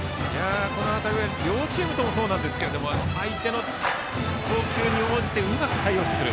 両チームともそうなんですが相手の投球に応じてうまく対応してくる。